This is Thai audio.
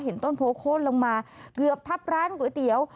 ต้นโพโค้นลงมาเกือบทับร้านก๋วยเตี๋ยว